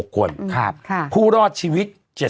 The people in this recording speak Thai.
๖คนผู้รอดชีวิต